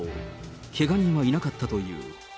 けが人はいなかったという。